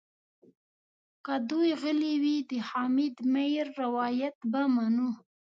که دوی غلي وي د حامد میر روایت به منو.